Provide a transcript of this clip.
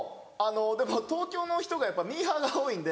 でも東京の人がやっぱミーハーが多いんで。